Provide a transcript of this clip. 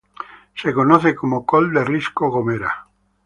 Se conoce como "col de risco gomera".